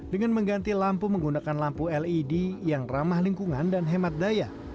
dengan mengganti lampu menggunakan lampu led yang ramah lingkungan dan hemat daya